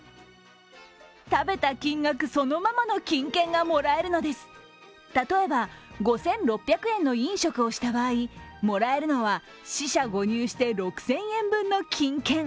食べた金額そのままの金券がもらえるのです例えば、５６００円の飲食をした場合、もらえるのは四捨五入して６０００円分の金券。